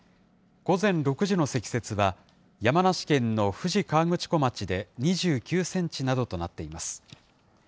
午前６時の積雪は、山梨県の富士河口湖町で２９センチなどとなっています。